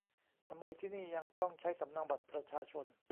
ทำไมที่นี่ยังต้องใช้สำเนาบัตรประชาชน